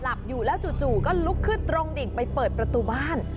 หลับอยู่แล้วจู่ก็ลุกขึ้นตรงดิ่งไปเปิดประตูบ้าน